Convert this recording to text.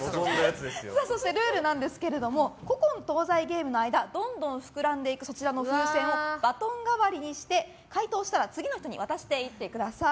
ルールですが古今東西ゲームの間どんどん膨らんでいく風船をバトン代わりにして回答したら次の人に渡していってください。